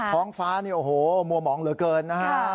ท้องฟ้านี่โอ้โหมัวหมองเหลือเกินนะฮะ